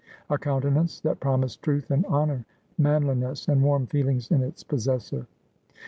A countenance that promised truth and honour, maaliness and warm feelings in its possessor.